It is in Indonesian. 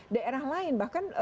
daerah lain bahkan